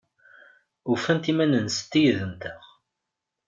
Ufant iman-nsent yid-nteɣ?